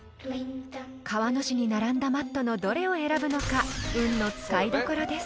［川の字に並んだマットのどれを選ぶのか運の使いどころです］